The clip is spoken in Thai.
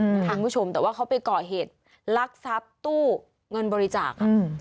คุณผู้ชมแต่ว่าเขาไปก่อเหตุลักษัพตู้เงินบริจาค